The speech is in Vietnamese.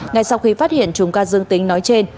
ngay sau khi phát hiện chúng ta dưng tính nói trên